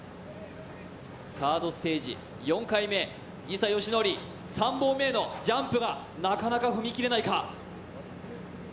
サードステージ、４回目、伊佐嘉矩、３本目へのジャンプがなかなか踏み切れないか。